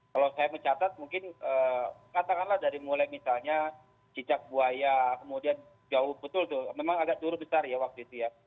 kalau saya mencatat mungkin katakanlah dari mulai misalnya cicak buaya kemudian jauh betul tuh memang agak turun besar ya waktu itu ya